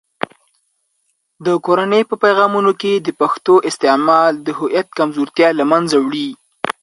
د کورنۍ په پیغامونو کې د پښتو استعمال د هویت کمزورتیا له منځه وړي.